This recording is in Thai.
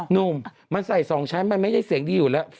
หนุ่มมันใส่๒ชั้นมันไม่ได้เสียงดีอยู่แล้ว